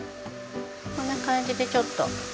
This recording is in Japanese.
こんな感じでちょっと。